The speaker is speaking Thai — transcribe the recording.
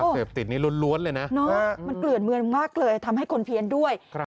คลื่นเมืองมากเลยทำให้คนเพี้นด้วย